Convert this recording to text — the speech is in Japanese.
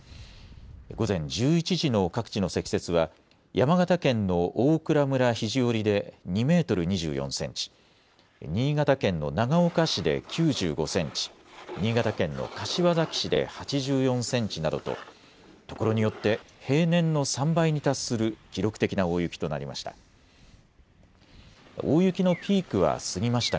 午前１１時の各地の積雪は山形県の大蔵村肘折で２メートル２４センチ、新潟県の長岡市で９５センチ、新潟県の柏崎市で８４センチなどとところによって平年の３倍に達する記録的な大雪となりました。